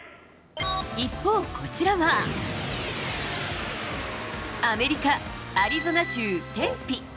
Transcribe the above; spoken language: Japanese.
一方、こちらは、アメリカ・アリゾナ州テンピ。